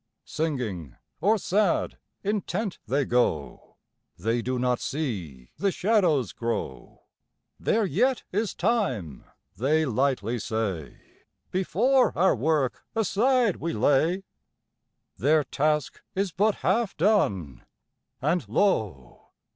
Singing or sad, intent they go; They do not see the shadows grow; "There yet is time," they lightly say, "Before our work aside we lay"; Their task is but half done, and lo!